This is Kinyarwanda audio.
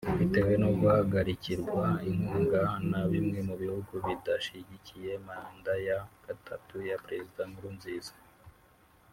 Bitewe no guhagarikirwa inkunga na bimwe mu bihugu bidashyigikiye manda ya gatatu ya Perezida Nkurunziza